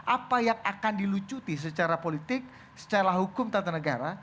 apa yang akan dilucuti secara politik secara hukum tata negara